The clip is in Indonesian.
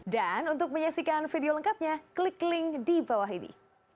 dan untuk menyaksikan video lengkapnya klik link di bawah ini